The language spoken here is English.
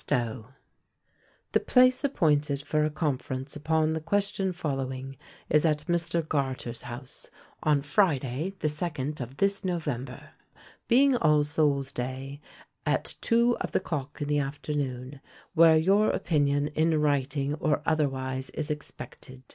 STOWE. "The place appointed for a conference upon the question followinge ys att Mr. Garter's house, on Frydaye the 2nd. of this November, being Al Soule's daye, at 2 of the clocke in the afternoone, where your oppinioun in wrytinge or otherwise is expected.